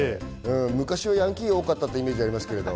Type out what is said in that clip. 昔はヤンキー多かったイメージありますけど。